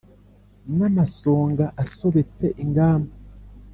N'amasonga asobetse ingamba